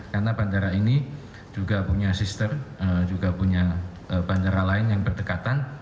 karena bandara ini juga punya sister juga punya bandara lain yang berdekatan